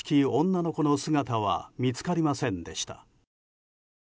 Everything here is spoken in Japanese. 女の子の姿は見つかりませんでした。